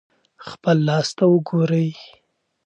خپل لاس ته وګورئ.